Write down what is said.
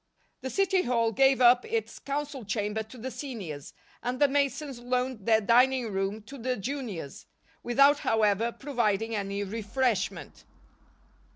The City Hall gave up its Council Chamber to the Seniors, and the Masons loaned their dining room to the Juniors, without, however, providing any refreshment.